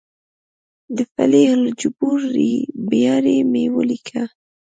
د فلیح الجبور ریباري مې ولیکه.